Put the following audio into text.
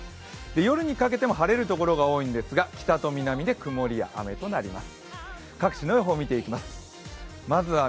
夜にかけても晴れるところが多いんですが北と南で曇りや雨となります。